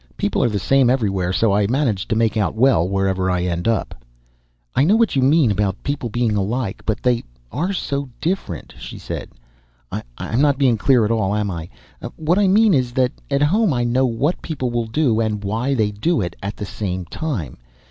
People are the same everywhere, so I manage to make out well wherever I end up." "I know what you mean about people being alike but they are so different," she said. "I'm not being clear at all, am I? What I mean is that at home I know what people will do and why they do it at the same time.